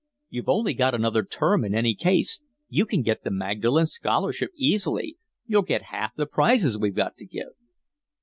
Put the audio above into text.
You've only got another term in any case. You can get the Magdalen scholarship easily; you'll get half the prizes we've got to give."